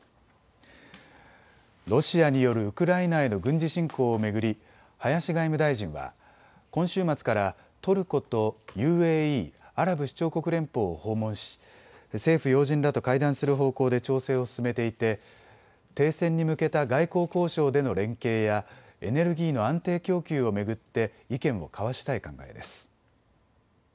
ロシアによるウクライナへの軍事侵攻を巡り林外務大臣は今週末からトルコとＵＡＥ・アラブ首長国連邦を訪問し政府要人らと会談する方向で調整を進めていて停戦に向けた外交交渉での連携やエネルギーの安定供給を巡って意見を交わしたい考えです。